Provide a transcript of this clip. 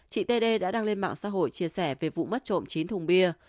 chị t d đã đăng lên mạng xã hội chia sẻ về vụ mất trộm chín thùng bia